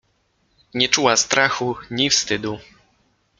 Nie czuła strachu ni wstydu.